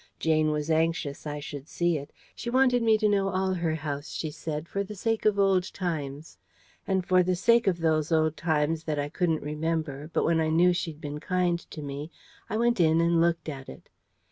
Jane was anxious I should see it she wanted me to know all her house, she said, for the sake of old times: and for the sake of those old times that I couldn't remember, but when I knew she'd been kind to me, I went in and looked at it.